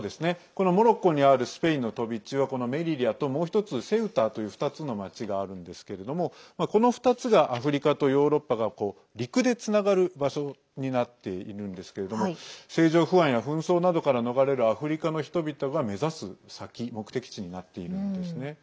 このモロッコにあるスペインの飛び地はメリリャと、もう１つセウタという２つの町があるんですけれどもこの２つがアフリカとヨーロッパが陸でつながる場所になっているんですけども政情不安や紛争などから逃れるアフリカの人々が目指す目的地になっているんですね。